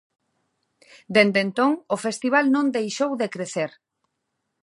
Dende entón, o festival non deixou de crecer.